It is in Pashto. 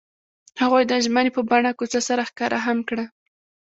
هغوی د ژمنې په بڼه کوڅه سره ښکاره هم کړه.